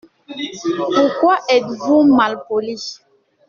Pourquoi êtes-vous malpoli ?